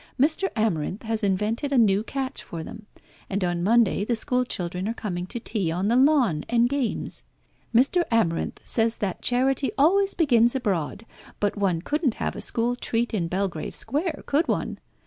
Mr. Amarinth has invented a new catch for them. And on Monday the schoolchildren are coming to tea on the lawn, and games. Mr. Amarinth says that charity always begins abroad, but one couldn't have a school treat in Belgrave Square, could one?